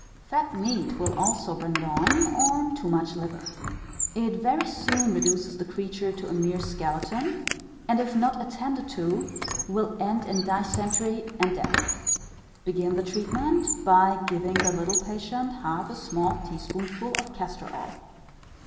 Fat meat will also bring it on, or too much liver. It very soon reduces the creature to a mere skeleton, and if not attended to, will end in dysentery and death. Begin the treatment by giving the little patient half a small teaspoonful of castor oil.